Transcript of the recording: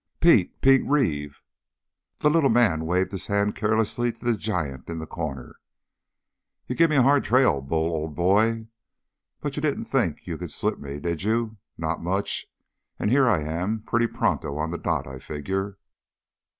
"Pete! Pete Reeve!" The little man waved his hand carelessly to the giant in the corner. "You give me a hard trail, Bull, old boy. But you didn't think you could slip me, did you? Not much. And here I am, pretty pronto on the dot, I figure."